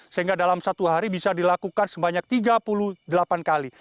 sehingga dalam satu hari bisa dilakukan sebanyak tiga puluh delapan kali